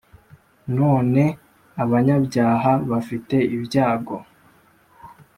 None abanyabyaha bafite ibyago